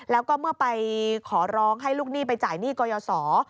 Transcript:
แล้วก็เมื่อไปขอร้องให้ลูกหนี้ไปจ่ายหนี้กยศ